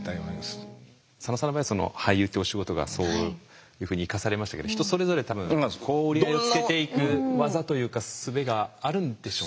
佐野さんの場合は俳優ってお仕事がそういうふうに生かされましたけど人それぞれ多分折り合いをつけていく技というかすべがあるんでしょうね。